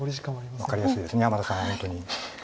分かりやすいですね山田さんは本当に。